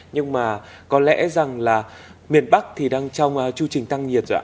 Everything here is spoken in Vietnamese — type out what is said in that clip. nhưng mà có lẽ rằng là miền bắc thì đang trong chưu trình tăng nhiệt rồi ạ